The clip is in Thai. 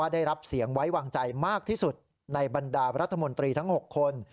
ได้รับเสียงไว้วางใจมากที่สุดในบรรดารัฐมนตรีทั้ง๖คน